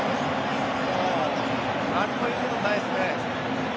何も言うことないですね。